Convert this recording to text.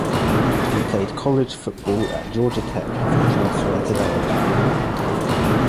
He played college football at Georgia Tech before transferring to Delaware.